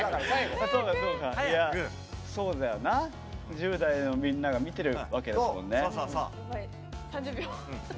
１０代のみんなが見てるわけですもんね。